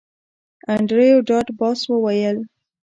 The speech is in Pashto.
انډریو ډاټ باس وویل